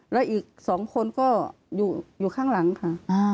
แล้วอีก๒คนก็อยู่ข้างหลังค่ะ